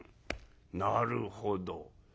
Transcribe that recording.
なるほど。